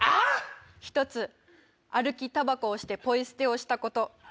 １つ、歩きたばこをしてポイ捨てをしたこと。